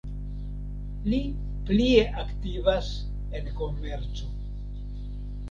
Li plie aktivas en komerco.